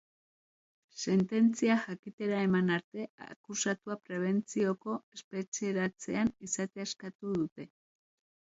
Sententzia jakitera eman arte akusatua prebentzioko espetxeratzean izatea eskatu dute.